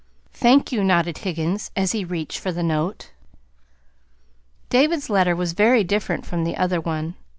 "Thank you," nodded Higgins, as he reached for the note. David's letter was very different from the other one.